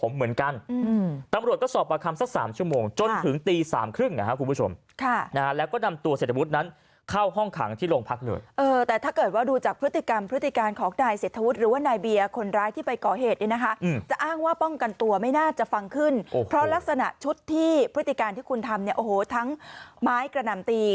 เหมือนกันตำรวจก็สอบปากคำสักสามชั่วโมงจนถึงตีสามครึ่งนะครับคุณผู้ชมแล้วก็นำตัวเศรษฐวุฒินั้นเข้าห้องขังที่โรงพักเหนือแต่ถ้าเกิดว่าดูจากพฤติกรรมพฤติการของนายเศรษฐวุฒิหรือว่านายเบียร์คนร้ายที่ไปก่อเหตุนะคะจะอ้างว่าป้องกันตัวไม่น่าจะฟังขึ้นเพราะลักษณะชุด